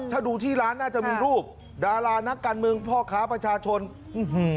ถ้าดูที่ร้านน่าจะมีรูปดารานักการเมืองพ่อค้าประชาชนอื้อหือ